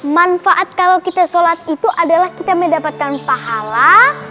manfaat kalau kita sholat itu adalah kita mendapatkan pahala